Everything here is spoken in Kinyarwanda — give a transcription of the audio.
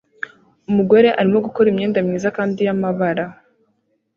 Umugore arimo gukora imyenda myiza kandi y'amabara